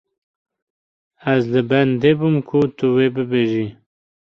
Ez li bendê bûm ku tu wê bibêjî.